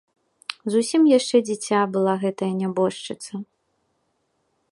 Зусім яшчэ дзіця была гэтая нябожчыца.